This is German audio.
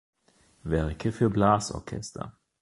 Werke für Blasorchester